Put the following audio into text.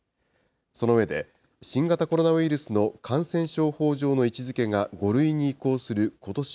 その上で、新型コロナウイルスの感染症法上の位置づけが５類に移行することし